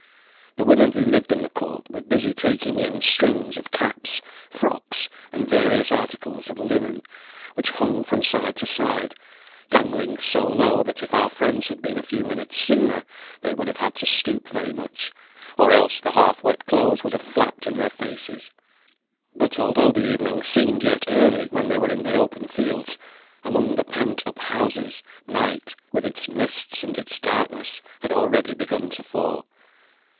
The women who lived in the court were busy taking in strings of caps, frocks, and various articles of linen, which hung from side to side, dangling so low, that if our friends had been a few minutes sooner, they would have had to stoop very much, or else the half wet clothes would have flapped in their faces; but although the evening seemed yet early when they were in the open fields among the pent up houses, night, with its mists, and its darkness, had already begun to fall.